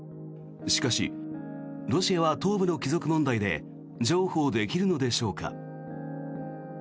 しかし、ロシアは東部の帰属問題で譲歩できるのでしょうか。